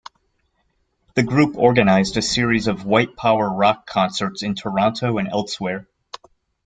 The group organized a series of white power rock concerts in Toronto and elsewhere.